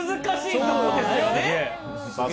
そうですね。